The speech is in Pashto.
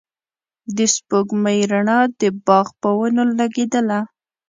د سپوږمۍ رڼا د باغ په ونو لګېدله.